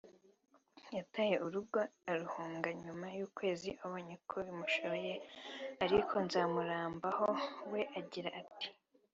yataye urugo arahunga nyuma y’ukwezi abonye ko bimushobeye ariko Nzamurambaho we agira ati